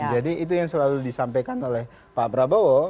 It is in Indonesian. jadi itu yang selalu disampaikan oleh pak prabowo